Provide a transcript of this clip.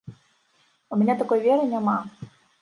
У мяне такой веры няма.